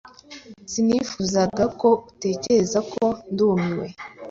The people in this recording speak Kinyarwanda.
Sinifuzaga ko utekereza ko ndumiwe.